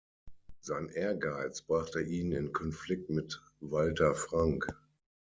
Sein Ehrgeiz brachte ihn in Konflikt mit Walter Frank.